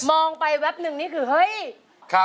มองไปแวบนึงนี่คือเฮ้ย